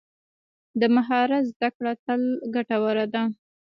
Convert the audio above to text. د مهارت زده کړه تل ګټوره ده.